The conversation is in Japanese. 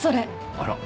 あら。